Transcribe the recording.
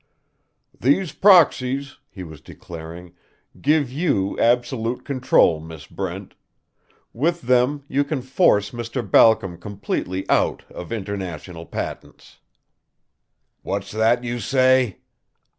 "These proxies," he was declaring, "give you absolute control, Miss Brent. With them you can force Mr. Balcom completely out of International Patents." "What's that you say?"